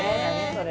それ。